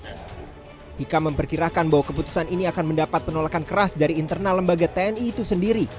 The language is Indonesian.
tika memperkirakan bahwa keputusan ini akan mendapat penolakan keras dari internal lembaga tni itu sendiri